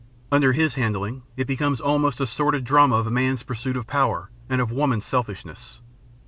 Under his handling it becomes almost a sordid drama of man's pursuit of power and of woman's selfishness.